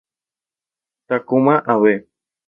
Takuma Abe